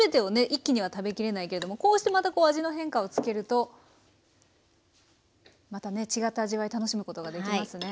一気には食べきれないけれどもこうしてまたこう味の変化をつけるとまたね違った味わい楽しむことができますね。